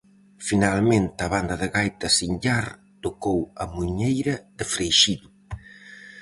Finalmente a banda de gaitas Inllar tocou a Muiñeira de Freixido.